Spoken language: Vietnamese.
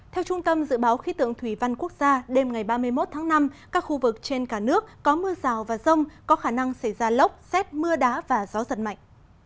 theo trung tâm dự báo khí tượng thủy văn quốc gia đêm ngày ba mươi một tháng năm các khu vực trên cả nước có mưa rào và rông có khả năng xảy ra lốc xét mưa đá và gió giật mạnh